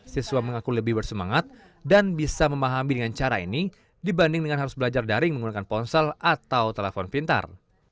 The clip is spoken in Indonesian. siswa mengaku lebih bersemangat dan bisa memahami dengan cara ini dibanding dengan harus belajar daring menggunakan ponsel atau telepon pintar